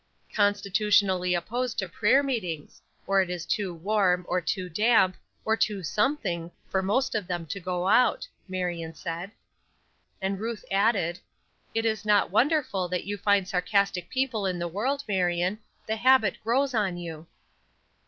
"Constitutionally opposed to prayer meetings; or it is too warm, or too damp, or too something, for most of them to go out," Marion said. And Ruth added: "It is not wonderful that you find sarcastic people in the world, Marion. The habit grows on you."